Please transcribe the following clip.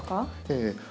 ええ。